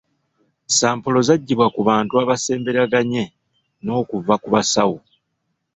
Sampolo zaggibwa ku bantu abaasembereganye n'okuva ku basawo.